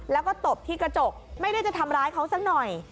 แล้วก็ตบที่กระจกไม่ได้จะทำร้ายเขาสักหน่อย